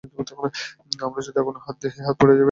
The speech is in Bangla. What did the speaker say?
আমরা যদি আগুনে হাত দিই, হাত পুড়িয়া যায়।